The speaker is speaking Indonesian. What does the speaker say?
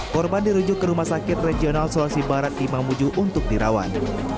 korban dirujuk ke rumah sakit regional sulawesi barat di mamuju untuk dirawat